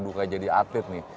duka jadi atlet nih